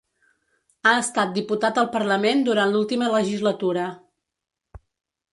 Ha estat diputat al parlament durant l’última legislatura.